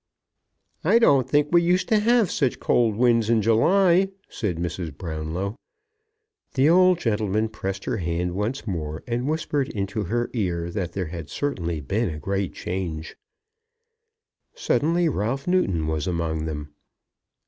"I don't think we used to have such cold winds in July," said Mrs. Brownlow. The old gentleman pressed her hand once more, and whispered into her ear that there had certainly been a great change. Suddenly Ralph Newton was among them.